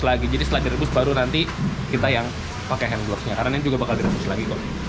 lagi jadi selagi rebus baru nanti kita yang pakai handgloss nya karena juga bakal di rebus lagi